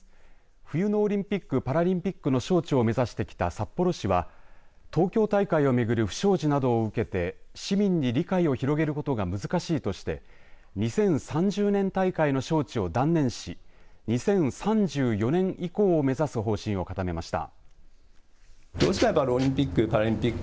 冬のオリンピック・パラリンピックの招致を目指してきた札幌市は東京大会を巡る不祥事などを受けて市民に理解を広げることが難しいとして２０３０年大会の招致を断念し２０３４年以降を目指す方針を固めました。